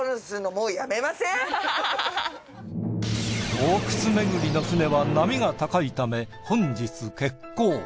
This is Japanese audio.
洞窟巡りの船は波が高いため本日欠航。